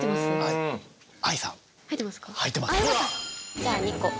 じゃあ２個。